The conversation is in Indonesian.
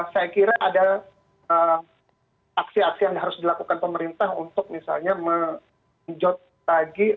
saya kira ada aksi aksi yang harus dilakukan pemerintah untuk misalnya menjot lagi